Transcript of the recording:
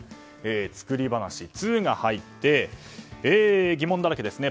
作り話の「ツ」が入って疑問だらけですね。